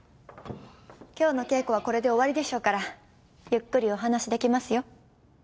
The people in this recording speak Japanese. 今日の稽古はこれで終わりでしょうからゆっくりお話しできますよ。